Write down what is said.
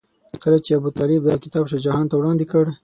کله چې ابوطالب دا کتاب شاه جهان ته وړاندې کړ.